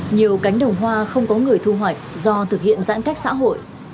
nhiều cánh đồng hoa không có người thu hoạch do thực hiện giãn cách xã hội